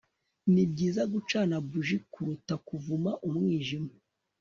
ni byiza gucana buji kuruta kuvuma umwijima